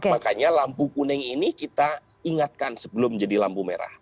makanya lampu kuning ini kita ingatkan sebelum menjadi lampu merah